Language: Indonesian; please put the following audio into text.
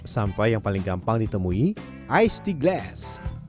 sampai yang paling gampang ditemui ice tea glass